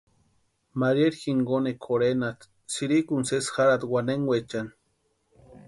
Marieri jinkonikwa jorhenasti sïrikuni sesi jarhati wanenkwechani.